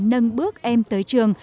nâng bước em tới trường